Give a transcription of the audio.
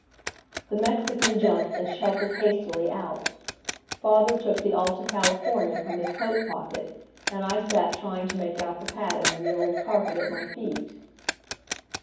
The Mexican jumped and shuffled hastily out. Father took the Alta California from his coat pocket, and I sat trying to make out the pattern in the old carpet at my feet.